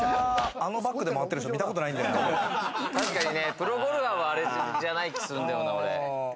プロゴルファーはあれじゃない気がするんだよな。